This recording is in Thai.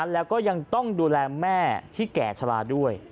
แล้วก็ยังต้องดูแลแม่ที่แก่ชะลาด้วย